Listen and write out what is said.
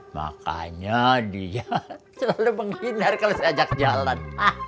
makanya dia selalu menghindar kalau saya ajak jalan